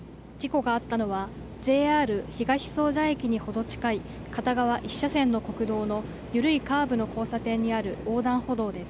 事故があったのはＪＲ東総社駅にほど近い片側１車線の国道のゆるいカーブの交差点にある横断歩道です。